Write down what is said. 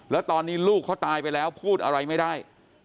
แล้วตอนนี้ลูกเขาตายไปแล้วพูดอะไรไม่ได้